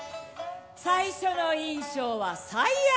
最初の印象は最悪。